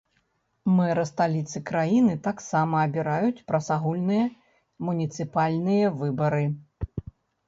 Мэра сталіцы краіны, таксама абіраюць праз агульныя муніцыпальныя выбары.